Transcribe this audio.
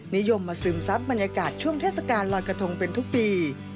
นิยมมาซึมซับบรรยากาศช่วงเทศกาลลอยกระทงเป็นทุกปี